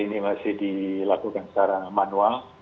ini masih dilakukan secara manual